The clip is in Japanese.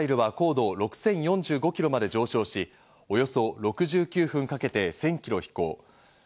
ミサイルは高度６０４５キロまで上昇し、およそ６９分かけて１０００キロ飛行。